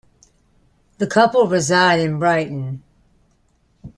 The couple reside in Brighton.